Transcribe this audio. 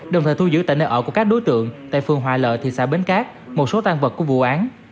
đồng thời thu giữ tại nơi ở của các đối tượng tại phường hòa lợi thị xã bến cát một số tan vật của vụ án